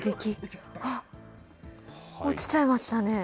あっ、落ちちゃいましたね。